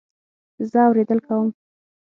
زه اورېدل کوم